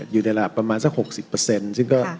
อยู่ในระหรับประมาณสักหกสิบเปอร์เซ็นต์ซึ่งก็